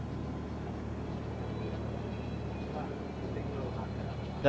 ini adalah ruang yang diberikan oleh kri cakalang